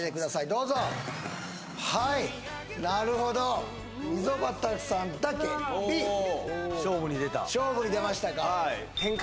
どうぞはいなるほど溝端さんだけＢおっ勝負に出ましたか？